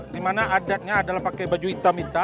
di mana adatnya adalah pakai baju hitam hitam